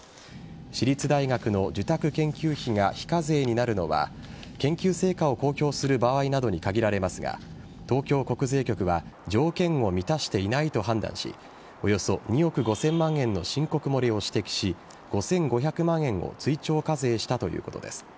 私立大学の受託研究費が非課税になるのは研究成果を公表する場合などに限られますが東京国税局は条件を満たしていないと判断しおよそ２億５０００万円の申告漏れを指摘し５５００万円を追徴課税したということです。